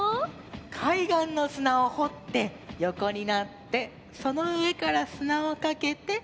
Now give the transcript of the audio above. かいがんのすなをほってよこになってそのうえからすなをかけてあたたまる。